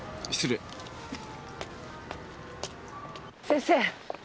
先生！